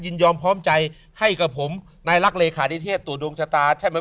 ยินยอมพร้อมใจให้กับผมนายรักเลขานิเทศตรวจดวงชะตาใช่ไหม